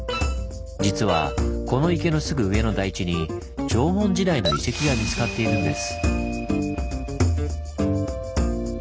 実はこの池のすぐ上の台地に縄文時代の遺跡が見つかっているんです。